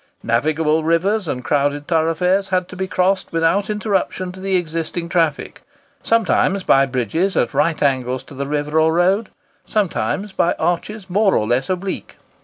Navigable rivers and crowded thoroughfares had to be crossed without interruption to the existing traffic, sometimes by bridges at right angles to the river or road, sometimes by arches more or less oblique.